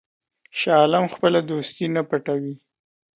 شاه عالم خپله دوستي نه پټوي.